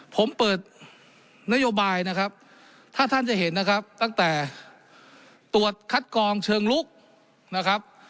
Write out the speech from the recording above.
ผมเปิดนโยบายนะครับถ้าท่านจะเห็นนะครับตั้งแต่ตรวจคัดกองเชิงลุกนะครับ